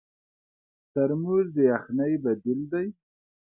ترموز د یخنۍ بدیل دی.